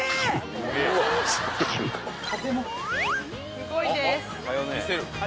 すごいです。